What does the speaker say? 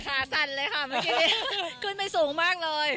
สั่นเลยค่ะเมื่อกี้ขึ้นไปสูงมากเลย